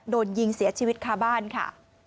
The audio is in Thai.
โดนยิงเสียชีวิตคาบ้านค่ะ